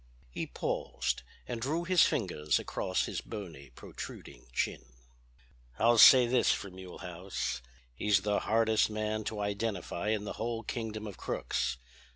He paused and drew his fingers across his bony protruding chin. "I'll say this for Mulehaus: He's the hardest man to identify in the whole kingdom of crooks.